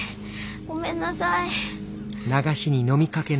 ごめんなさい。